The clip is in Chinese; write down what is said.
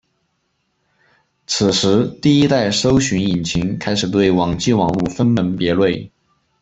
此时第一代搜寻引擎开始对网际网路分门别类。